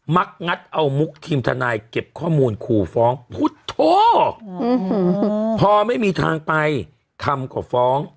มักงัดเอามุกทีมทนายเก็บข้อมูลขู่ฟ้องพุทธโทษพอไม่มีทางไปคำก็ฟ้อง